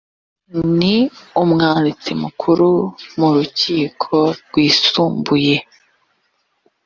ni umwanditsi mukuru mu rukiko rwisumbuye